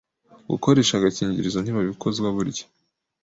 gukoresha agakingirizo ntibabikozwa burya